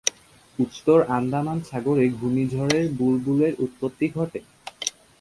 উত্তর আন্দামান সাগরে ঘূর্ণিঝড়ের বুলবুলের উৎপত্তি ঘটে।